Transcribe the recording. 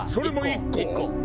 １個。